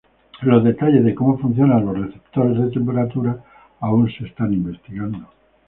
Los detalles de cómo funcionan los receptores de temperatura aún se están investigando.